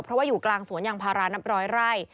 เพราะว่าอยู่กลางสวนยางพารานับร้อยไร่